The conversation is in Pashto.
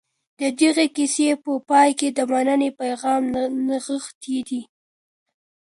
د دغي کیسې په پای کي د مننې پیغام نغښتی دی.